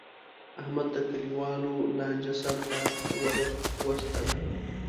احمد د کلیوالو لانجه سرته ور وستله.